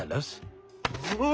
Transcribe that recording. うわ！